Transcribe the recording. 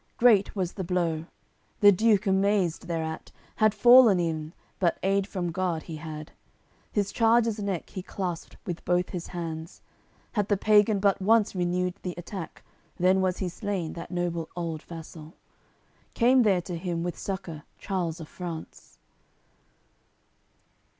Great was the blow; the Duke, amazed thereat, Had fallen ev'n, but aid from God he had; His charger's neck he clasped with both his hands. Had the pagan but once renewed the attack, Then was he slain, that noble old vassal. Came there to him, with succour, Charles of France.